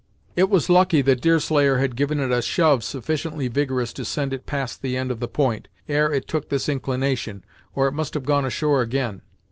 It was lucky that Deerslayer had given it a shove sufficiently vigorous to send it past the end of the point, ere it took this inclination, or it must have gone ashore again.